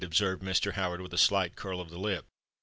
observed Mr. Howard, with a slight curl of the lip.